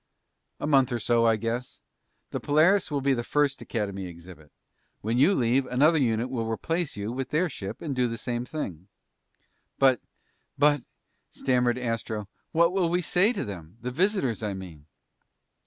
"A month or so, I guess. The Polaris will be the first Academy exhibit. When you leave, another unit will replace you with their ship and do the same thing." "But but " stammered Astro, "what will we say to them? The visitors, I mean?"